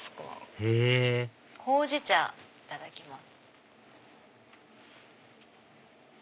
へぇほうじ茶いただきます。